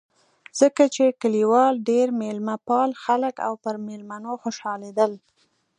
ځکه چې کلیوال ډېر مېلمه پال خلک و او پر مېلمنو خوشحالېدل.